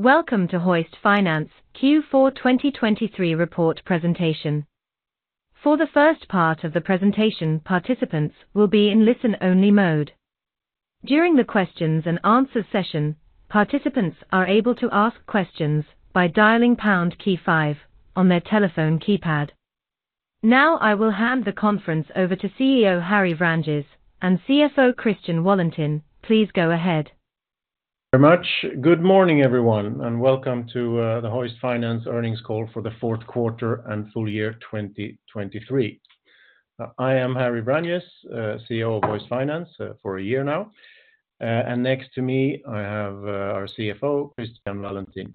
Welcome to Hoist Finance Q4 2023 report presentation. For the first part of the presentation, participants will be in listen-only mode. During the questions and answers session, participants are able to ask questions by dialing pound key five on their telephone keypad. Now, I will hand the conference over to CEO Harry Vranjes and CFO Christian Wallentin. Please go ahead. Good morning, everyone, and welcome to the Hoist Finance earnings call for the fourth quarter and full year 2023. I am Harry Vranjes, CEO of Hoist Finance, for a year now. And next to me, I have our CFO, Christian Wallentin.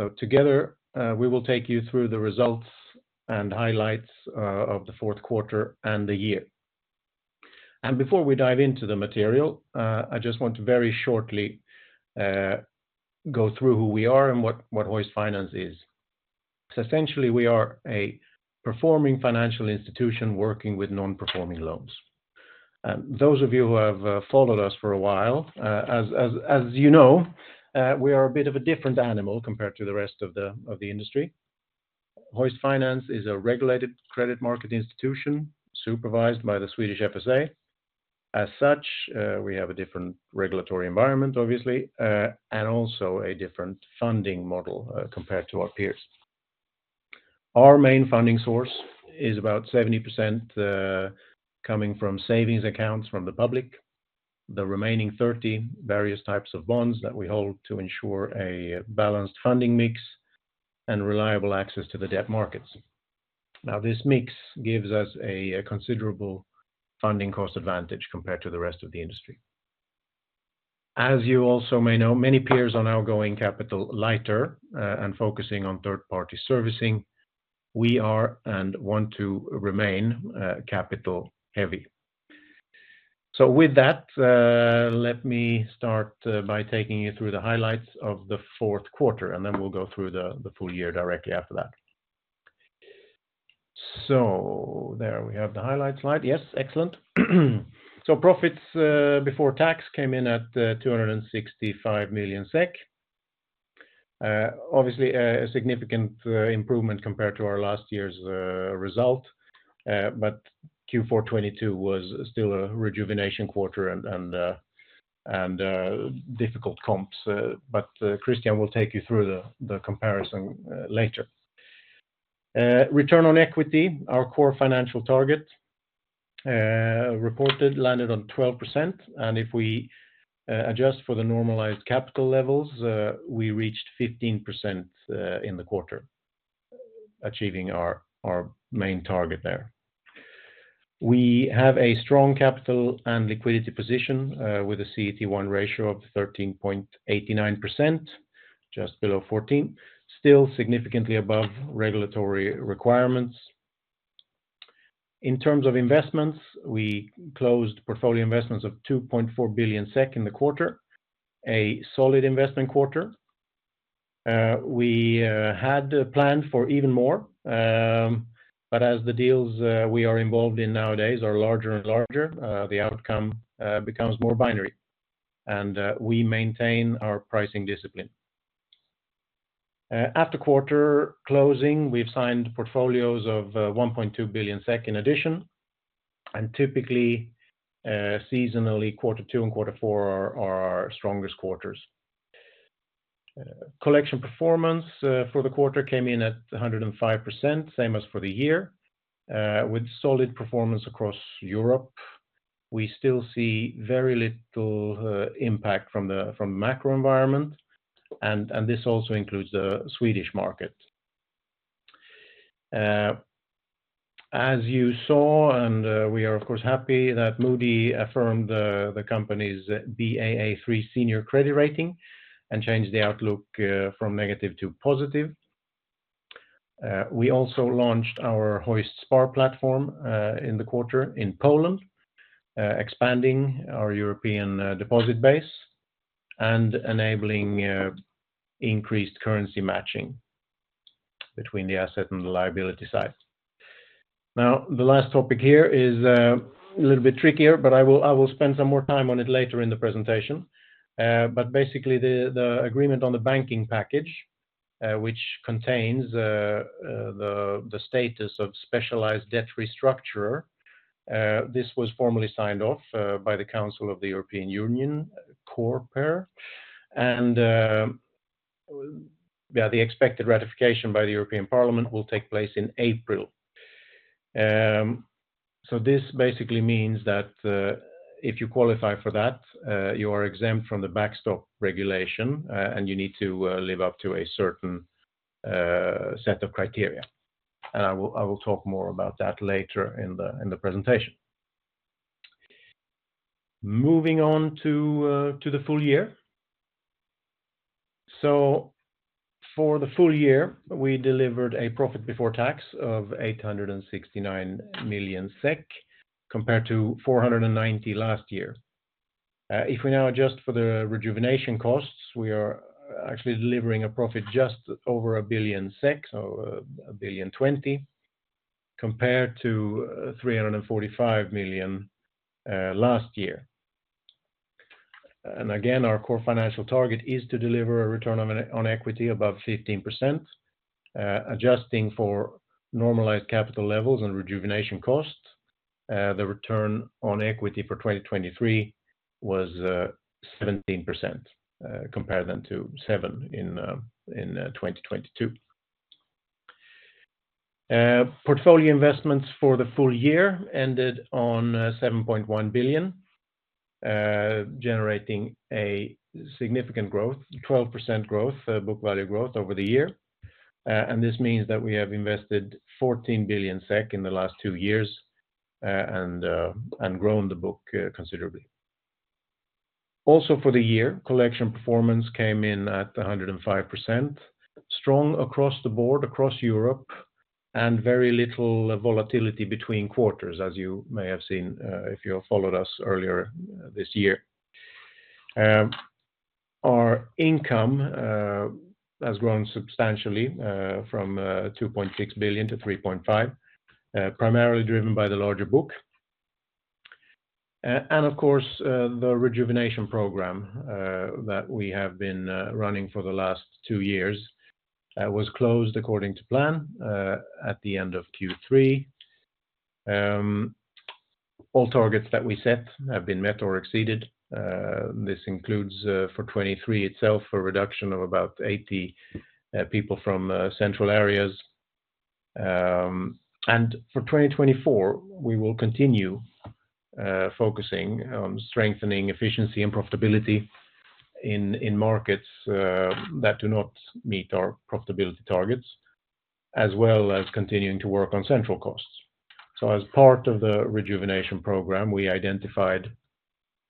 So together, we will take you through the results and highlights of the fourth quarter and the year. And before we dive into the material, I just want to very shortly go through who we are and what Hoist Finance is. So essentially, we are a performing financial institution working with non-performing loans. Those of you who have followed us for a while, as you know, we are a bit of a different animal compared to the rest of the industry. Hoist Finance is a regulated credit market institution, supervised by the Swedish FSA. As such, we have a different regulatory environment, obviously, and also a different funding model, compared to our peers. Our main funding source is about 70%, coming from savings accounts from the public, the remaining 30%, various types of bonds that we hold to ensure a balanced funding mix and reliable access to the debt markets. Now, this mix gives us a considerable funding cost advantage compared to the rest of the industry. As you also may know, many peers are now going capital lighter, and focusing on third-party servicing. We are and want to remain, capital heavy. So with that, let me start by taking you through the highlights of the fourth quarter, and then we'll go through the full year directly after that. So there we have the highlight slide. Yes, excellent. So profits before tax came in at 265 million SEK. Obviously, a significant improvement compared to our last year's result, but Q4 2022 was still a rejuvenation quarter and difficult comps, but Christian will take you through the comparison later. Return on equity, our core financial target, reported landed on 12%, and if we adjust for the normalized capital levels, we reached 15% in the quarter, achieving our main target there. We have a strong capital and liquidity position with a CET1 ratio of 13.89%, just below 14, still significantly above regulatory requirements. In terms of investments, we closed portfolio investments of 2.4 billion SEK in the quarter, a solid investment quarter. We had planned for even more, but as the deals we are involved in nowadays are larger and larger, the outcome becomes more binary, and we maintain our pricing discipline. At the quarter closing, we've signed portfolios of 1.2 billion SEK in addition, and typically, seasonally, quarter two and quarter four are our strongest quarters. Collection performance for the quarter came in at 105%, same as for the year, with solid performance across Europe. We still see very little impact from the macro environment, and this also includes the Swedish market. As you saw, we are of course happy that Moody's affirmed the company's Baa3 senior credit rating and changed the outlook from negative to positive. We also launched our HoistSpar platform in the quarter in Poland, expanding our European deposit base and enabling increased currency matching between the asset and the liability side. Now, the last topic here is a little bit trickier, but I will spend some more time on it later in the presentation. But basically, the agreement on the banking package, which contains the status of specialized debt restructuring, this was formally signed off by the Council of the European Union, Coreper, and yeah, the expected ratification by the European Parliament will take place in April. So this basically means that, if you qualify for that, you are exempt from the backstop regulation, and you need to live up to a certain set of criteria. And I will talk more about that later in the presentation. Moving on to the full year. So for the full year, we delivered a profit before tax of 869 million SEK, compared to 490 last year. If we now adjust for the rejuvenation costs, we are actually delivering a profit just over a billion SEK, so 1,020 million compared to 345 million last year. And again, our core financial target is to deliver a return on equity above 15%, adjusting for normalized capital levels and rejuvenation costs. The return on equity for 2023 was 17%, compared then to 7% in 2022. Portfolio investments for the full year ended on 7.1 billion, generating a significant growth, 12% growth, book value growth over the year. And this means that we have invested 14 billion SEK in the last two years, and grown the book considerably. Also for the year, collection performance came in at 105%, strong across the board, across Europe, and very little volatility between quarters, as you may have seen, if you followed us earlier this year. Our income has grown substantially, from 2.6 billion-3.5 billion, primarily driven by the larger book. And of course, the rejuvenation program that we have been running for the last two years was closed according to plan at the end of Q3. All targets that we set have been met or exceeded. This includes, for 2023 itself, a reduction of about 80 people from central areas. And for 2024, we will continue focusing on strengthening efficiency and profitability in markets that do not meet our profitability targets, as well as continuing to work on central costs. So as part of the rejuvenation program, we identified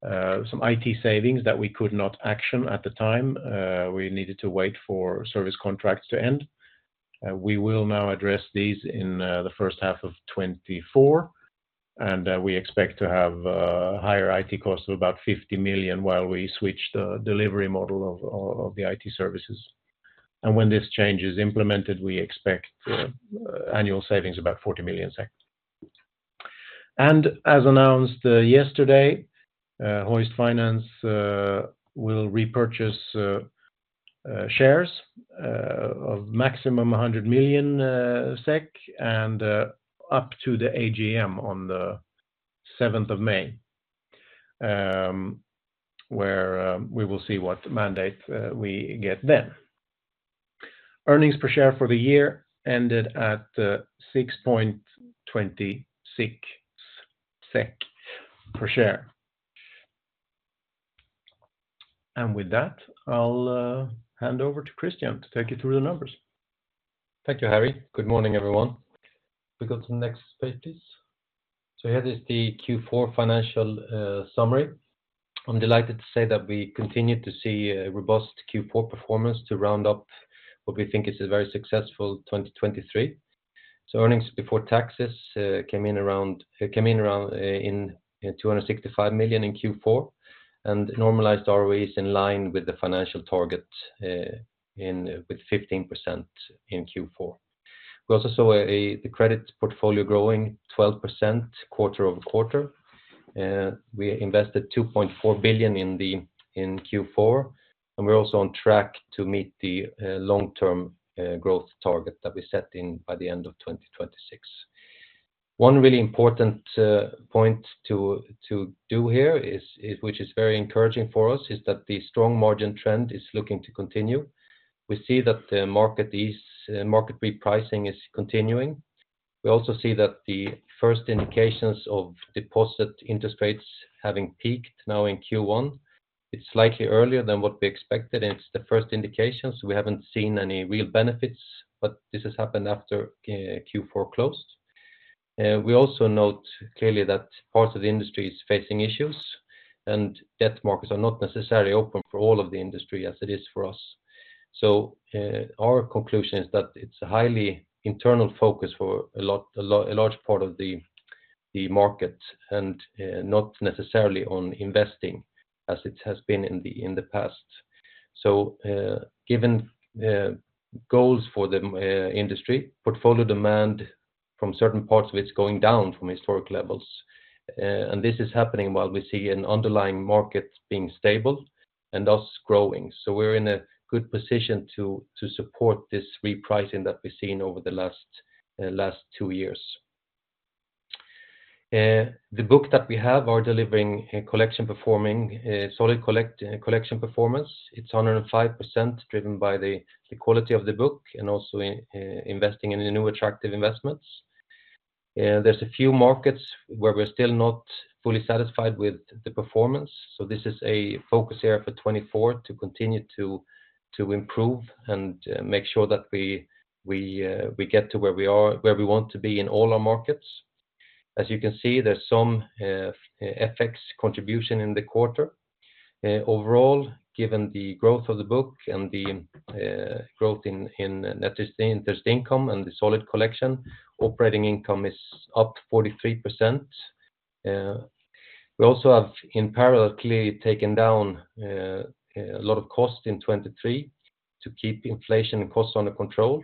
some IT savings that we could not action at the time. We needed to wait for service contracts to end. We will now address these in the first half of 2024, and we expect to have higher IT costs of about 50 million while we switch the delivery model of the IT services. And when this change is implemented, we expect annual savings about 40 million. And as announced yesterday, Hoist Finance will repurchase shares of maximum 100 million SEK, and up to the AGM on the 7th of May, where we will see what mandate we get then. Earnings per share for the year ended at 6.20 SEK per share. And with that, I'll hand over to Christian to take you through the numbers. Thank you, Harry. Good morning, everyone. We go to the next pages. So here is the Q4 financial summary. I'm delighted to say that we continued to see a robust Q4 performance to round up what we think is a very successful 2023. So earnings before taxes came in around 265 million SEK in Q4, and normalized ROE is in line with the financial target, in with 15% in Q4. We also saw the credit portfolio growing 12% quarter-over-quarter. We invested 2.4 billion SEK in Q4, and we're also on track to meet the long-term growth target that we set in by the end of 2026. One really important point to do here, which is very encouraging for us, is that the strong margin trend is looking to continue. We see that the market repricing is continuing. We also see that the first indications of deposit interest rates having peaked now in Q1. It's slightly earlier than what we expected, and it's the first indications. We haven't seen any real benefits, but this has happened after Q4 closed. We also note clearly that parts of the industry is facing issues, and debt markets are not necessarily open for all of the industry as it is for us. So, our conclusion is that it's a highly internal focus for a lot, a large part of the market, and not necessarily on investing as it has been in the past. So, given goals for the industry, portfolio demand from certain parts of it is going down from historic levels. And this is happening while we see an underlying market being stable and us growing. So we're in a good position to support this repricing that we've seen over the last two years. The book that we have is delivering a collection performing solid collection performance. It's 105% driven by the quality of the book and also investing in the new attractive investments. There's a few markets where we're still not fully satisfied with the performance, so this is a focus area for 2024 to continue to improve and make sure that we get to where we want to be in all our markets. As you can see, there's some FX contribution in the quarter. Overall, given the growth of the book and the growth in net interest income, and the solid collection, operating income is up 43%, We also have in parallel clearly taken down a lot of costs in 2023 to keep inflation and costs under control.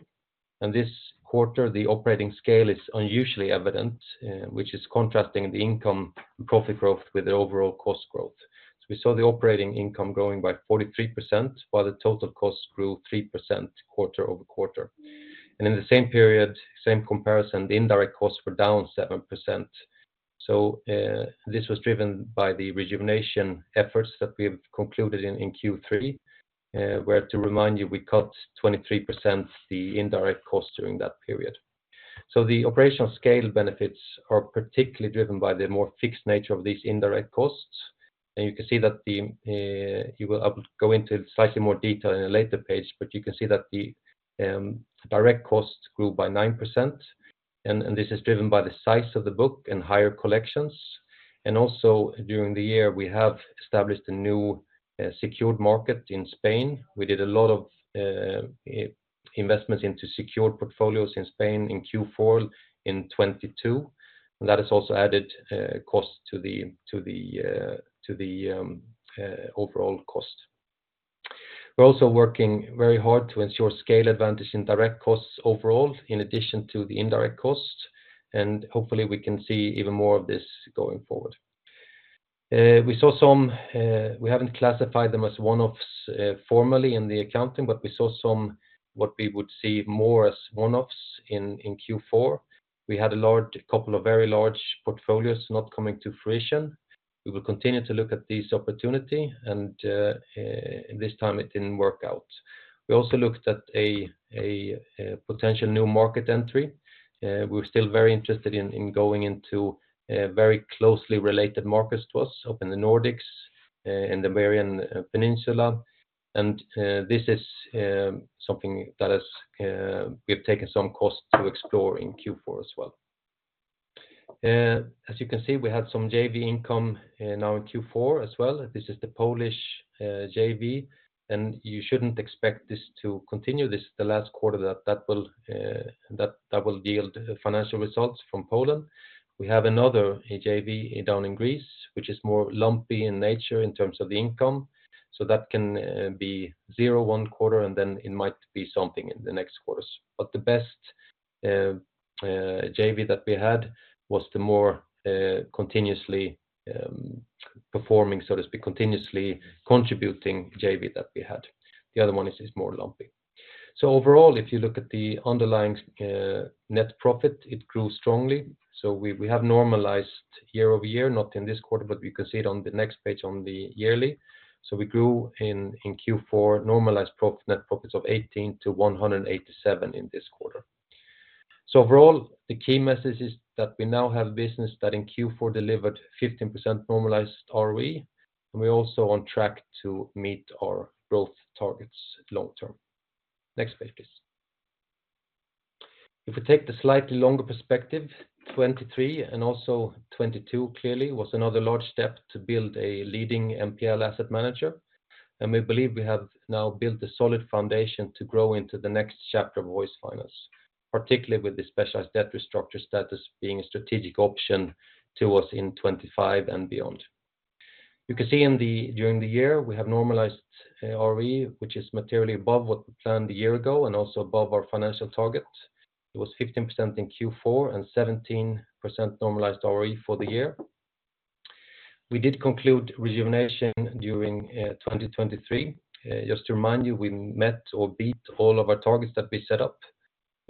And this quarter, the operating scale is unusually evident, which is contrasting the income and profit growth with the overall cost growth. So we saw the operating income growing by 43%, while the total costs grew 3% quarter-over-quarter. And in the same period, same comparison, the indirect costs were down 7%. So, this was driven by the rejuvenation efforts that we have concluded in Q3, where to remind you, we cut 23% the indirect costs during that period. So the operational scale benefits are particularly driven by the more fixed nature of these indirect costs. And you can see that you will-- I will go into slightly more detail in a later page, but you can see that the direct costs grew by 9%, and this is driven by the size of the book and higher collections. And also during the year, we have established a new secured market in Spain. We did a lot of investments into secured portfolios in Spain in Q4 in 2022, and that has also added cost to the overall cost. We're also working very hard to ensure scale advantage in direct costs overall, in addition to the indirect costs, and hopefully we can see even more of this going forward. We saw some we haven't classified them as one-offs formally in the accounting, but we saw some what we would see more as one-offs in Q4. We had a large couple of very large portfolios not coming to fruition. We will continue to look at this opportunity, and this time it didn't work out. We also looked at a potential new market entry. We're still very interested in going into very closely related markets to us up in the Nordics, in the Iberian Peninsula. This is something that we have taken some costs to explore in Q4 as well. As you can see, we had some JV income now in Q4 as well. This is the Polish JV, and you shouldn't expect this to continue. This is the last quarter that will yield financial results from Poland. We have another JV down in Greece, which is more lumpy in nature in terms of the income. So that can be zero one quarter, and then it might be something in the next quarters. But the best JV that we had was the more continuously performing, so to speak, continuously contributing JV that we had. The other one is more lumpy. So overall, if you look at the underlying net profit, it grew strongly. So we have normalized year over year, not in this quarter, but you can see it on the next page on the yearly. So we grew in Q4, normalized net profits of 18-187 in this quarter. So overall, the key message is that we now have business that in Q4 delivered 15% normalized ROE, and we're also on track to meet our growth targets long term. Next page, please. If we take the slightly longer perspective, 2023 and also 2022 clearly was another large step to build a leading NPL asset manager. And we believe we have now built a solid foundation to grow into the next chapter of Hoist Finance, particularly with the specialized debt restructurer status being a strategic option to us in 2025 and beyond. You can see during the year, we have normalized ROE, which is materially above what we planned a year ago and also above our financial target. It was 15% in Q4 and 17% normalized ROE for the year. We did conclude rejuvenation during 2023. Just to remind you, we met or beat all of our targets that we set up.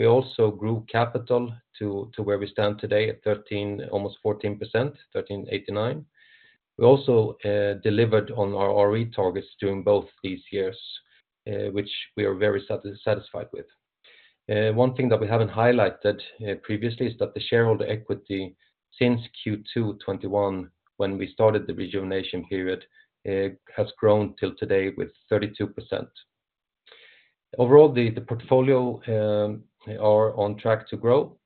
We also grew capital to where we stand today at 13, almost 14%, 13.89%. We also delivered on our ROE targets during both these years, which we are very satisfied with. One thing that we haven't highlighted previously is that the shareholder equity since Q2 2021, when we started the rejuvenation period, has grown till today with 32%. Overall, the portfolio are on track to grow.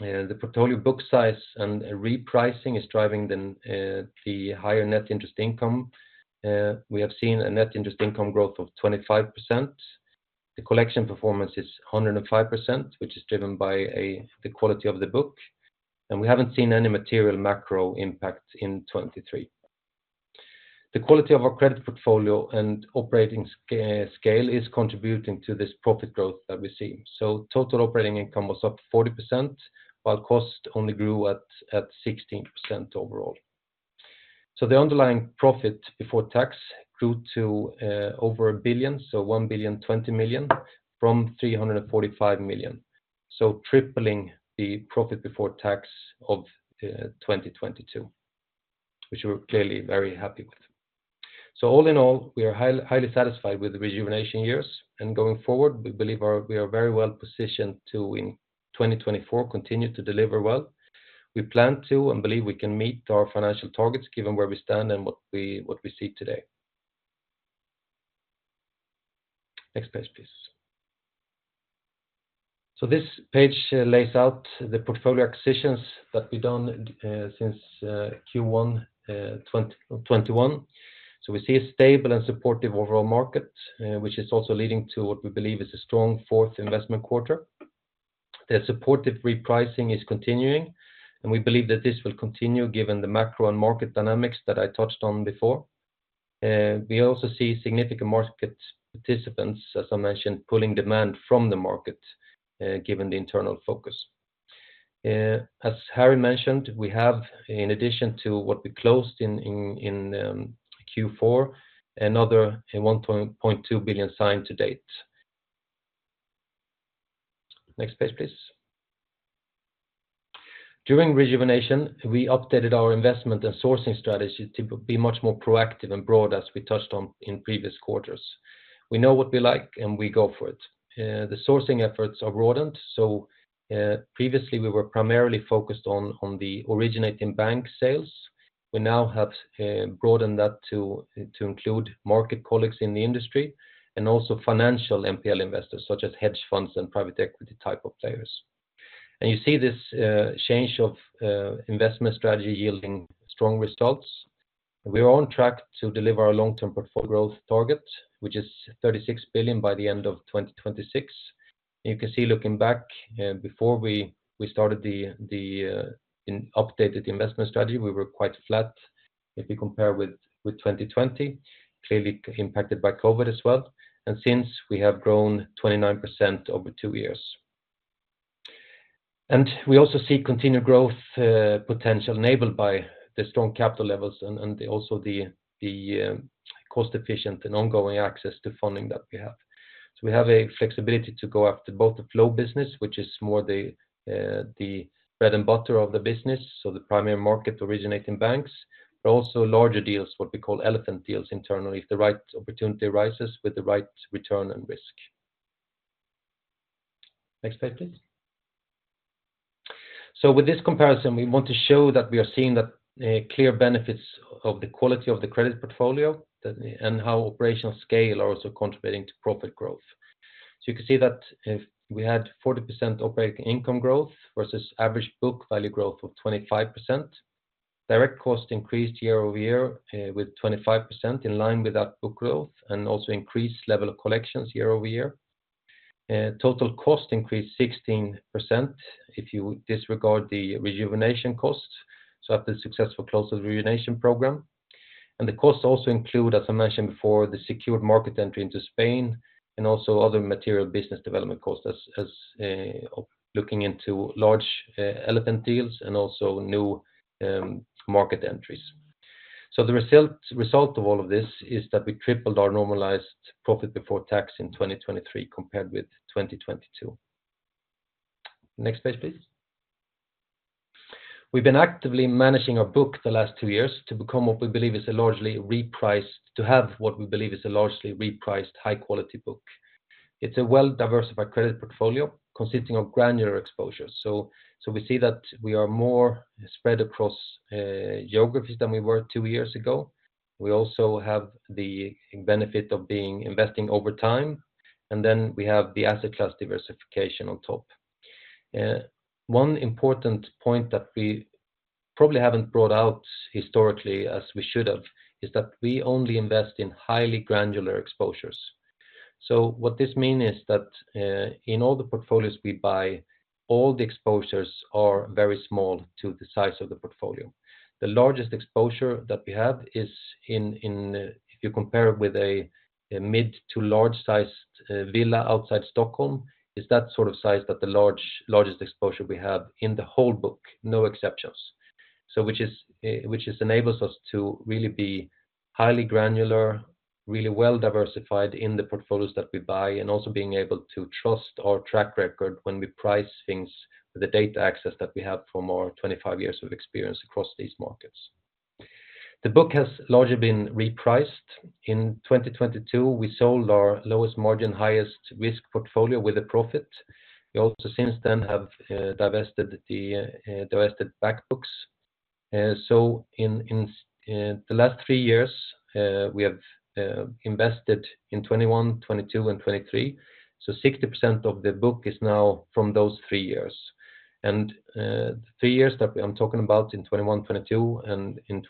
The portfolio book size and repricing is driving the higher net interest income. We have seen a net interest income growth of 25%. The collection performance is 105%, which is driven by the quality of the book, and we haven't seen any material macro impact in 2023. The quality of our credit portfolio and operating scale is contributing to this profit growth that we see. So total operating income was up 40%, while cost only grew at 16% overall. So the underlying profit before tax grew to over a billion, so 1,020 million from 345 million. So tripling the profit before tax of 2022, which we're clearly very happy with. So all in all, we are highly satisfied with the rejuvenation years, and going forward, we believe we are very well positioned to, in 2024, continue to deliver well. We plan to and believe we can meet our financial targets, given where we stand and what we see today. Next page, please. So this page lays out the portfolio acquisitions that we've done since Q1 2021. So we see a stable and supportive overall market, which is also leading to what we believe is a strong fourth investment quarter.... The supportive repricing is continuing, and we believe that this will continue, given the macro and market dynamics that I touched on before. We also see significant market participants, as I mentioned, pulling demand from the market, given the internal focus. As Harry mentioned, we have, in addition to what we closed in Q4, another 1.2 billion signed to date. Next page, please. During rejuvenation, we updated our investment and sourcing strategy to be much more proactive and broad as we touched on in previous quarters. We know what we like, and we go for it. The sourcing efforts are broadened, so previously, we were primarily focused on the originating bank sales. We now have broadened that to include market colleagues in the industry and also financial NPL investors, such as hedge funds and private equity type of players. And you see this change of investment strategy yielding strong results. We are on track to deliver our long-term portfolio growth target, which is 36 billion by the end of 2026. You can see, looking back, before we started the updated investment strategy, we were quite flat. If you compare with 2020, clearly impacted by COVID as well, and since, we have grown 29% over two years. We also see continued growth potential enabled by the strong capital levels and also the cost efficient and ongoing access to funding that we have. So we have a flexibility to go after both the flow business, which is more the bread and butter of the business, so the primary market originating banks, but also larger deals, what we call elephant deals internally, if the right opportunity arises with the right return and risk. Next slide, please. With this comparison, we want to show that we are seeing the clear benefits of the quality of the credit portfolio that and how operational scale are also contributing to profit growth. You can see that if we had 40% operating income growth versus average book value growth of 25%, direct cost increased year-over-year with 25% in line with that book growth, and also increased level of collections year-over-year. Total cost increased 16% if you disregard the rejuvenation costs, so after the successful close of the rejuvenation program. The costs also include, as I mentioned before, the secured market entry into Spain and also other material business development costs, as looking into large elephant deals and also new market entries. So the result, result of all of this is that we tripled our normalized profit before tax in 2023 compared with 2022. Next page, please. We've been actively managing our book the last two years to become what we believe is a largely repriced-- to have what we believe is a largely repriced, high-quality book. It's a well-diversified credit portfolio consisting of granular exposure. So we see that we are more spread across geographies than we were two years ago. We also have the benefit of being investing over time, and then we have the asset class diversification on top. One important point that we probably haven't brought out historically as we should have, is that we only invest in highly granular exposures. So what this mean is that, in all the portfolios we buy, all the exposures are very small to the size of the portfolio. The largest exposure that we have is in, if you compare it with a mid to large-sized villa outside Stockholm, is that sort of size that the largest exposure we have in the whole book, no exceptions. So which has enables us to really be highly granular, really well diversified in the portfolios that we buy, and also being able to trust our track record when we price things with the data access that we have for more 25 years of experience across these markets. The book has largely been repriced. In 2022, we sold our lowest margin, highest risk portfolio with a profit. We also, since then, have divested the back books. So in the last three years, we have invested in 2021, 2022, and 2023. So 60% of the book is now from those three years. And the three years that I'm talking about in 2021, 2022, and in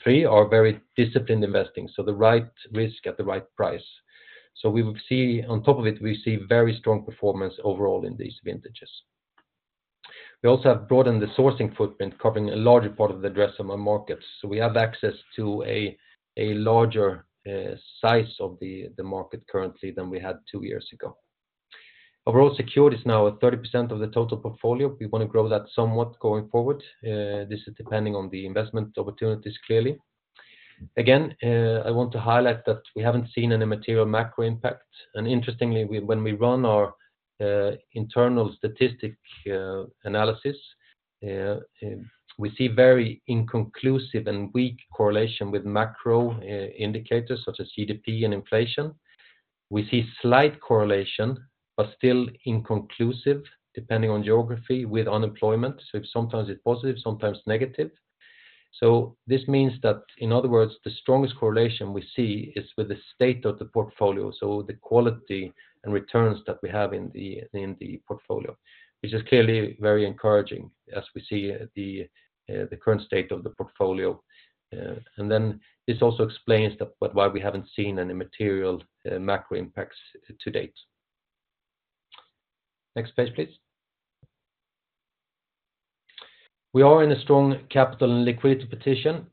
2023 are very disciplined investing, so the right risk at the right price. So we will see, on top of it, we see very strong performance overall in these vintages. We also have broadened the sourcing footprint, covering a larger part of the European markets. So we have access to a larger size of the market currently than we had two years ago. Overall, secured is now at 30% of the total portfolio. We want to grow that somewhat going forward. This is depending on the investment opportunities, clearly. Again, I want to highlight that we haven't seen any material macro impact, and interestingly, we, when we run our internal statistic analysis, we see very inconclusive and weak correlation with macro indicators such as GDP and inflation. We see slight correlation, but still inconclusive, depending on geography with unemployment. So sometimes it's positive, sometimes negative. So this means that, in other words, the strongest correlation we see is with the state of the portfolio, so the quality and returns that we have in the portfolio, which is clearly very encouraging as we see the current state of the portfolio. And then this also explains that, but why we haven't seen any material macro impacts to date. Next page, please. We are in a strong capital and liquidity position,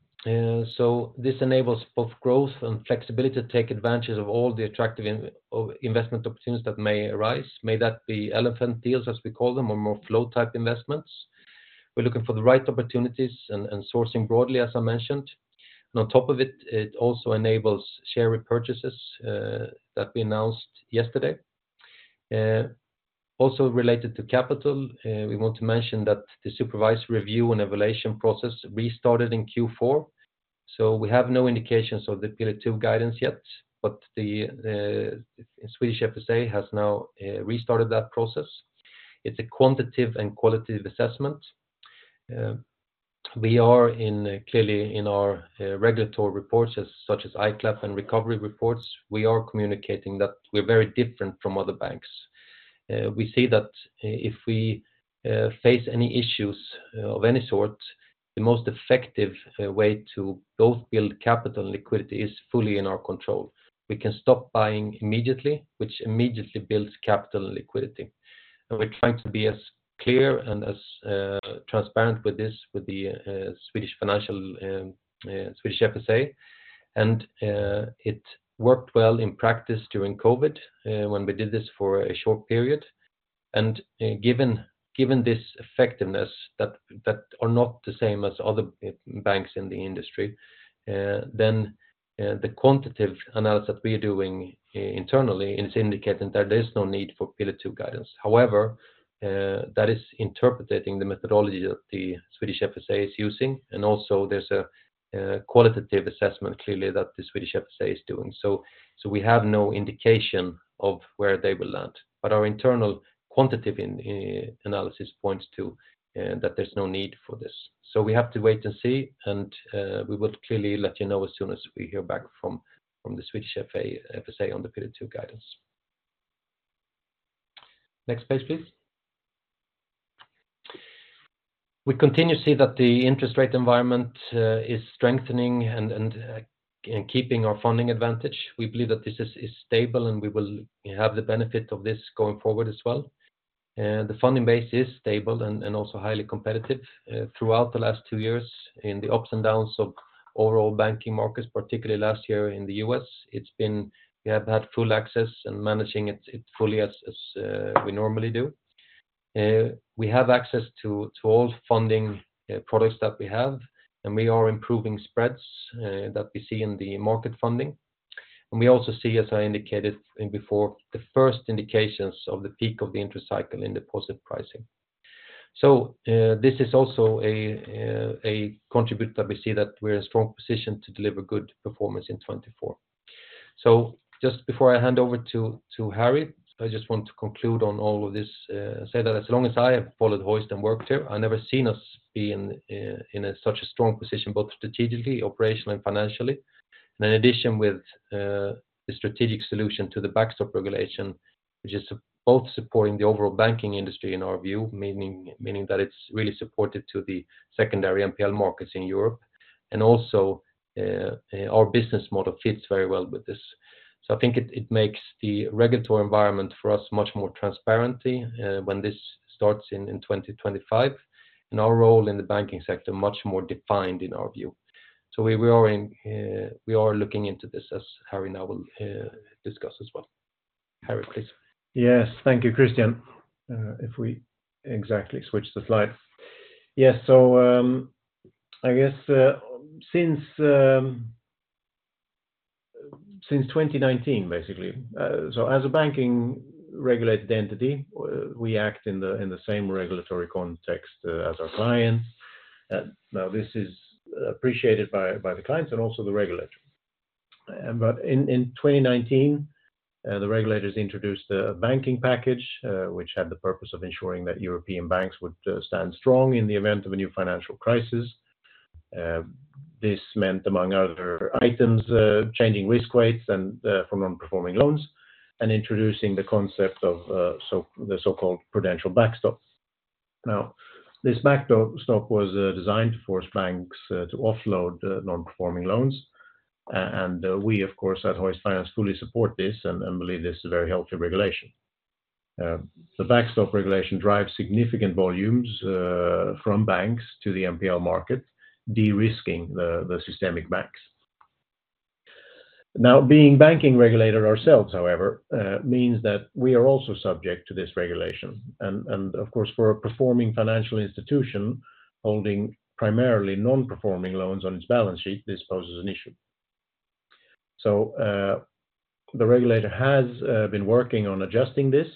so this enables both growth and flexibility to take advantage of all the attractive investment opportunities that may arise, may that be elephant deals, as we call them, or more flow type investments. We're looking for the right opportunities and sourcing broadly, as I mentioned. On top of it, it also enables share repurchases that we announced yesterday. Also related to capital, we want to mention that the supervisory review and evaluation process restarted in Q4, so we have no indications of the Pillar 2 guidance yet, but the Swedish FSA has now restarted that process. It's a quantitative and qualitative assessment. We are clearly, in our regulatory reports, such as ICAAP and ILAAP recovery reports, communicating that we're very different from other banks. We see that if we face any issues of any sort, the most effective way to both build capital and liquidity is fully in our control. We can stop buying immediately, which immediately builds capital and liquidity. And we're trying to be as clear and as transparent with this, with the Swedish FSA. And it worked well in practice during COVID, when we did this for a short period. And given this effectiveness that are not the same as other banks in the industry, then the quantitative analysis we're doing internally is indicating that there is no need for Pillar 2 guidance. However, that is interpreting the methodology that the Swedish FSA is using, and also there's a qualitative assessment, clearly, that the Swedish FSA is doing. So, we have no indication of where they will land. But our internal quantitative analysis points to that there's no need for this. So we have to wait and see, and we will clearly let you know as soon as we hear back from the Swedish FSA on the Pillar 2 guidance. Next page, please. We continue to see that the interest rate environment is strengthening and keeping our funding advantage. We believe that this is stable, and we will have the benefit of this going forward as well. The funding base is stable and also highly competitive. Throughout the last two years, in the ups and downs of overall banking markets, particularly last year in the US, it's been... We have had full access and managing it fully as we normally do. We have access to all funding products that we have, and we are improving spreads that we see in the market funding. We also see, as I indicated before, the first indications of the peak of the interest cycle in deposit pricing. So this is also a contributor that we see that we're in a strong position to deliver good performance in 2024. So just before I hand over to Harry, I just want to conclude on all of this, say that as long as I have followed Hoist and worked here, I've never seen us be in such a strong position, both strategically, operationally, and financially. And in addition, with the strategic solution to the backstop regulation, which is both supporting the overall banking industry, in our view, meaning, meaning that it's really supportive to the secondary NPL markets in Europe, and also, our business model fits very well with this. So I think it, it makes the regulatory environment for us much more transparently, when this starts in, in 2025, and our role in the banking sector much more defined in our view. So we are in, we are looking into this as Harry now will discuss as well. Harry, please. Yes, thank you, Christian. If we exactly switch the slide. Yes, so, I guess, since 2019, basically, so as a banking-regulated entity, we act in the same regulatory context as our clients. Now, this is appreciated by the clients and also the regulator. But in 2019, the regulators introduced a banking package, which had the purpose of ensuring that European banks would stand strong in the event of a new financial crisis. This meant, among other items, changing risk weights and from non-performing loans, and introducing the concept of the so-called prudential backstop. Now, this backstop regulation was designed to force banks to offload non-performing loans, and we, of course, at Hoist Finance, fully support this and believe this is a very healthy regulation. The backstop regulation drives significant volumes from banks to the NPL market, de-risking the systemic banks. Now, being banking regulated ourselves, however, means that we are also subject to this regulation. And of course, for a performing financial institution holding primarily non-performing loans on its balance sheet, this poses an issue. So, the regulator has been working on adjusting this,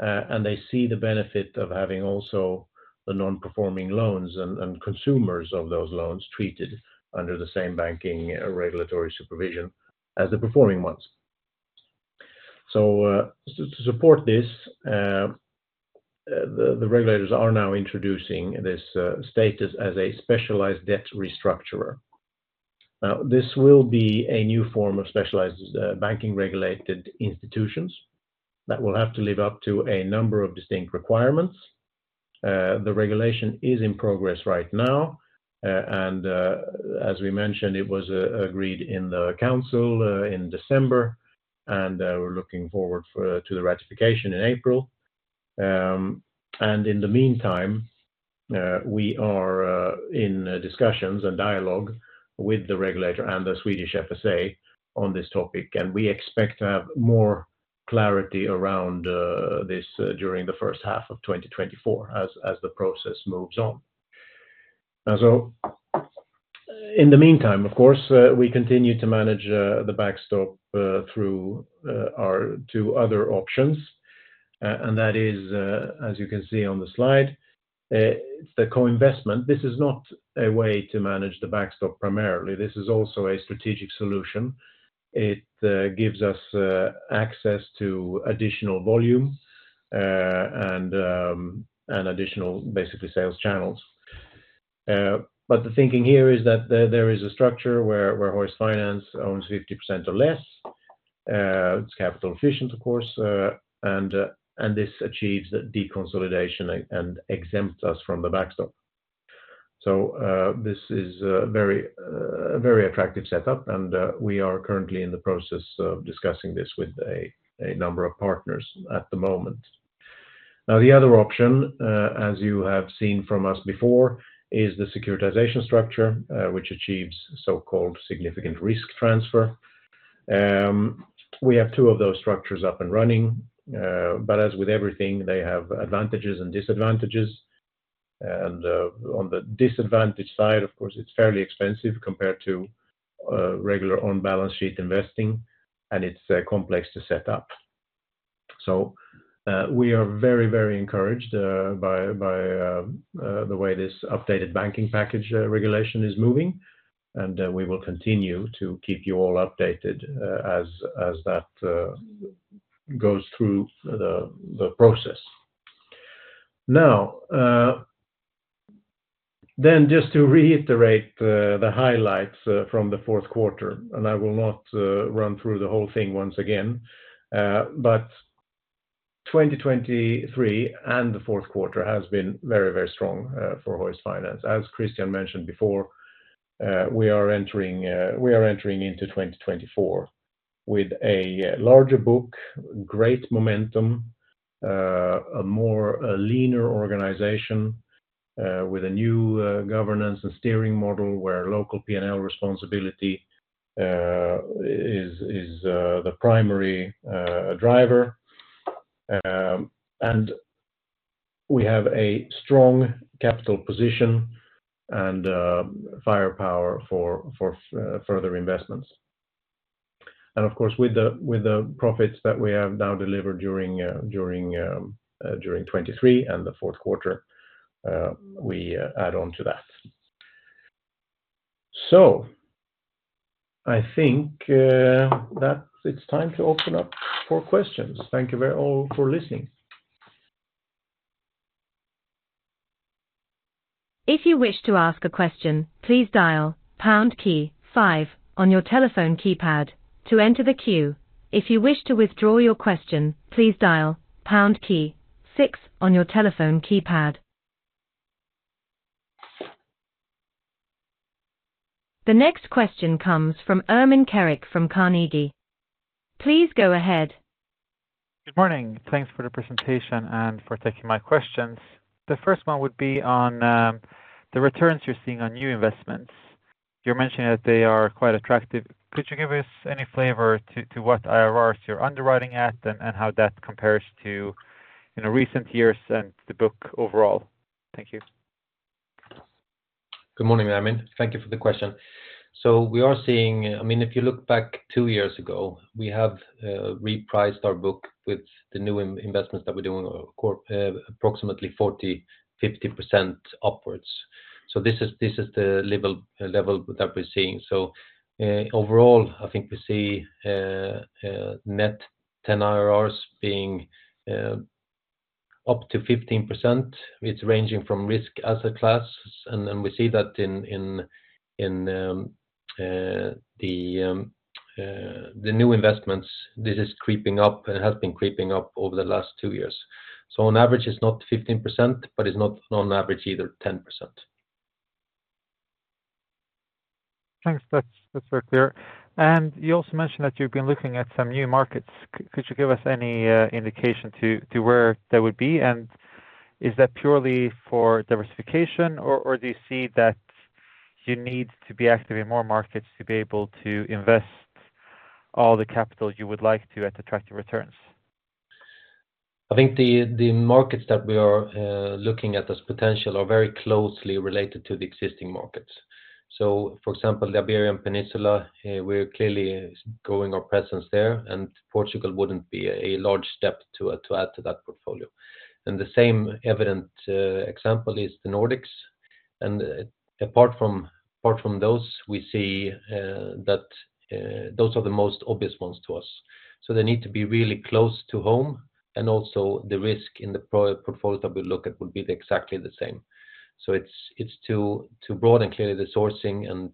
and they see the benefit of having also the non-performing loans and consumers of those loans treated under the same banking regulatory supervision as the performing ones. So, to support this, the regulators are now introducing this status as a specialized debt restructurer. This will be a new form of specialized banking-regulated institutions that will have to live up to a number of distinct requirements. The regulation is in progress right now, and as we mentioned, it was agreed in the council in December. And we're looking forward to the ratification in April. And in the meantime, we are in discussions and dialogue with the regulator and the Swedish FSA on this topic, and we expect to have more clarity around this during the first half of 2024 as the process moves on. And so in the meantime, of course, we continue to manage the backstop through our two other options. And that is, as you can see on the slide, it's the co-investment. This is not a way to manage the backstop primarily, this is also a strategic solution. It gives us access to additional volume, and additional basically, sales channels. But the thinking here is that there is a structure where Hoist Finance owns 50% or less. It's capital efficient, of course, and this achieves the deconsolidation and exempts us from the backstop. So, this is a very attractive setup, and we are currently in the process of discussing this with a number of partners at the moment. Now, the other option, as you have seen from us before, is the securitization structure, which achieves so-called significant risk transfer. We have 2 of those structures up and running, but as with everything, they have advantages and disadvantages. On the disadvantage side, of course, it's fairly expensive compared to, regular on-balance sheet investing, and it's, complex to set up. We are very, very encouraged by the way this updated banking package regulation is moving, and, we will continue to keep you all updated, as that goes through the process. Now, then, just to reiterate the highlights from the fourth quarter, and I will not run through the whole thing once again, but 2023 and the fourth quarter has been very, very strong for Hoist Finance. As Christian mentioned before, we are entering into 2024 with a larger book, great momentum, a leaner organization, with a new governance and steering model, where local P&L responsibility is the primary driver. We have a strong capital position and firepower for further investments. Of course, with the profits that we have now delivered during 2023 and the fourth quarter, we add on to that. So I think that it's time to open up for questions. Thank you very all for listening. If you wish to ask a question, please dial pound key five on your telephone keypad to enter the queue. If you wish to withdraw your question, please dial pound key six on your telephone keypad. The next question comes from Ermin Keric from Carnegie. Please go ahead. Good morning. Thanks for the presentation and for taking my questions. The first one would be on the returns you're seeing on new investments. You're mentioning that they are quite attractive. Could you give us any flavor to what IRRs you're underwriting at and how that compares to, you know, recent years and the book overall? Thank you. Good morning, Ermin. Thank you for the question. So we are seeing I mean, if you look back two years ago, we have repriced our book with the new investments that we're doing approximately 40%-50% upwards. So this is the level that we're seeing. So overall, I think we see net new IRRs being up to 15%. It's ranging from risk asset class, and then we see that in the new investments, this is creeping up and has been creeping up over the last two years. So on average, it's not 15%, but it's not on average either 10%. Thanks. That's, that's very clear. And you also mentioned that you've been looking at some new markets. Could you give us any indication to where that would be? And is that purely for diversification or do you see that you need to be active in more markets to be able to invest all the capital you would like to at attractive returns? I think the markets that we are looking at as potential are very closely related to the existing markets. So, for example, the Iberian Peninsula, we're clearly growing our presence there, and Portugal wouldn't be a large step to add to that portfolio. And the same evident example is the Nordics. And apart from those, we see that those are the most obvious ones to us. So they need to be really close to home, and also the risk in the portfolio that we look at would be exactly the same. So it's to broaden clearly the sourcing and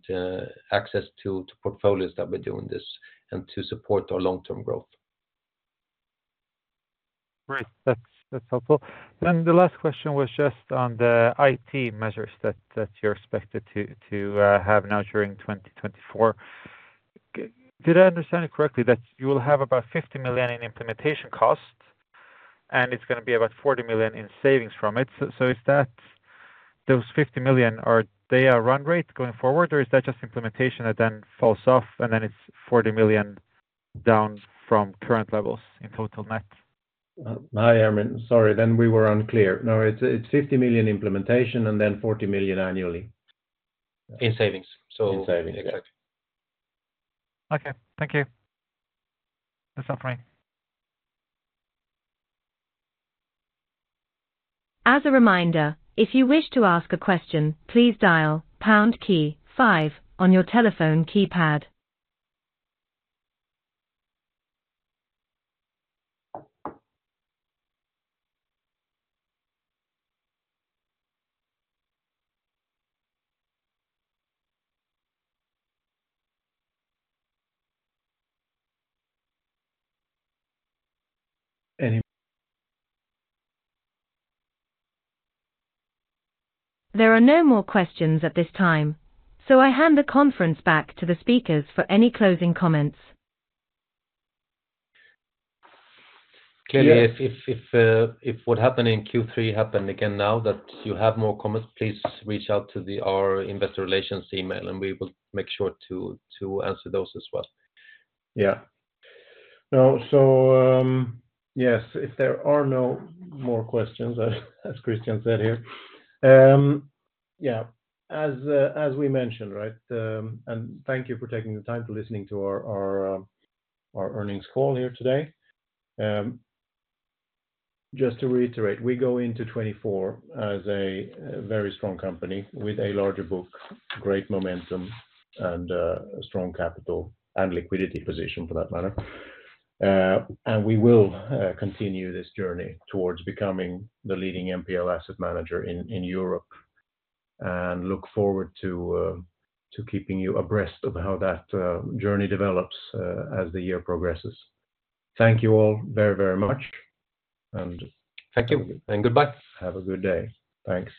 access to portfolios that we're doing this and to support our long-term growth. Great. That's helpful. Then the last question was just on the IT measures that you're expected to have now during 2024. Did I understand it correctly that you will have about 50 million in implementation costs, and it's gonna be about 40 million in savings from it? So, is that those 50 million, are they a run rate going forward, or is that just implementation that then falls off, and then it's 40 million down from current levels in total net? Hi, Ermin. Sorry, then we were unclear. No, it's, it's 50 million implementation and then 40 million annually. In savings, In savings, exactly. Okay. Thank you. That's operating. As a reminder, if you wish to ask a question, please dial pound key five on your telephone keypad. Any- There are no more questions at this time, so I hand the conference back to the speakers for any closing comments. Clearly, if what happened in Q3 happened again now, if you have more comments, please reach out to our investor relations email, and we will make sure to answer those as well. Yeah. Now, so, yes, if there are no more questions, as Christian said here, yeah, as we mentioned, right. And thank you for taking the time to listening to our earnings call here today. Just to reiterate, we go into 2024 as a very strong company with a larger book, great momentum, and a strong capital and liquidity position, for that matter. And we will continue this journey towards becoming the leading NPL asset manager in Europe, and look forward to keeping you abreast of how that journey develops as the year progresses. Thank you all very, very much, and- Thank you, and goodbye. Have a good day. Thanks.